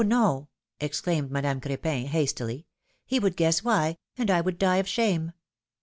no," exclaimed Madame Cr^pin, hastily; ^^he would guess why, and I would die of shame